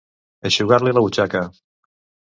Eixugar-li la butxaca.